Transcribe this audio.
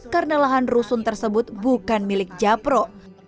karena lahan rusun tersebut bukan milik cak pro